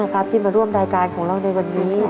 ที่มาร่วมรายการของเราในวันนี้